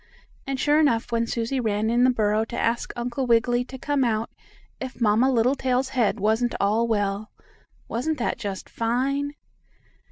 And, sure enough, when Susie ran in the burrow to ask Uncle Wiggily to come out, if Mamma Littletail's head wasn't all well. Wasn't that just fine?